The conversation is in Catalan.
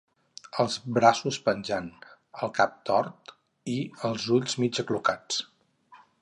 Els braços penjant, el cap tort, i els ulls mig aclucats